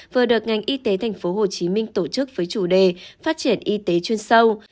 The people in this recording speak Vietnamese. vừa được ngành y tế tp hcm tổ chức với chủ đề phát triển y tế chuyên sâu